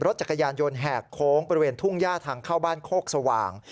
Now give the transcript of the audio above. รถจักรยานยนต์แหกโค้งเปรี้ยวรถทรุ่งหน้าทางเข้าบ้านโคกสว่าง